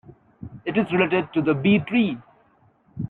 It is related to the B-tree.